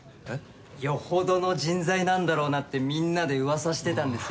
・よほどの人材なんだろうなってみんなでうわさしてたんですよ。